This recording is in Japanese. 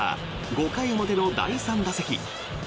５回表の第３打席。